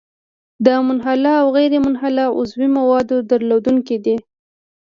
د منحله او غیرمنحله عضوي موادو درلودونکی دی.